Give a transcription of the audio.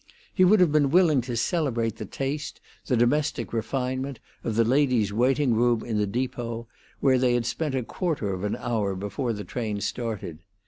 He would have been willing to celebrate the taste, the domestic refinement, of the ladies' waiting room in the depot, where they had spent a quarter of an hour before the train started.